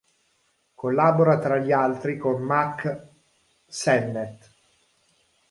Collabora tra gli altri con Mack Sennett.